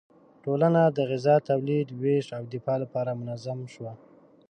ټولنه د غذا تولید، ویش او دفاع لپاره منظم شوه.